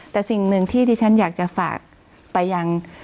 แต่สิ่งหนึ่งที่ที่ฉันอยากจะฝากไปยัง